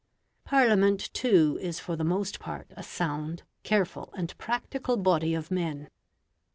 Parliament, too, is for the most part a sound, careful and practical body of men.